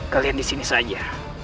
kalian disini saja